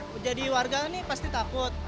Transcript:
menjadi warga ini pasti takut